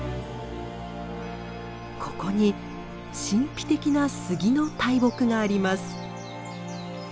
ここに神秘的なスギの大木があります。